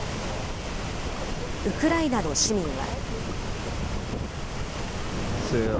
ウクライナの市民は。